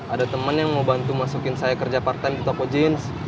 ada temen yang mau bantu masukin saya kerja part time di toko jeans